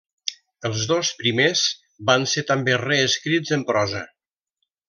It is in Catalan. Els dos primers van ser també reescrits en prosa.